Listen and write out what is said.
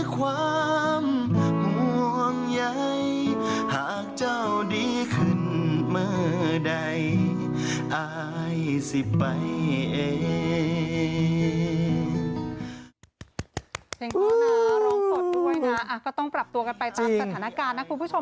ก็ต้องปรับตัวกันไปตามสถานการณ์นะคุณผู้ชม